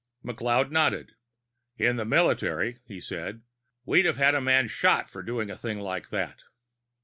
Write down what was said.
McLeod nodded. "In the military," he said, "we'd have a man shot for doing a thing like that."